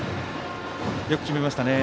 よく決めましたね。